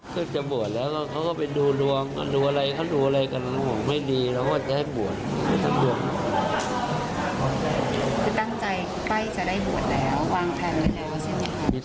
แค่จะปวดแล้วเขาก็ไปดูดวงดูอะไรกันไม่ดีผมก็ไว้ให้ปวด